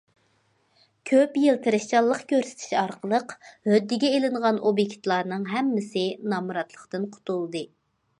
كۆپ يىل تىرىشچانلىق كۆرسىتىش ئارقىلىق، ھۆددىگە ئېلىنغان ئوبيېكتلارنىڭ ھەممىسى نامراتلىقتىن قۇتۇلدى.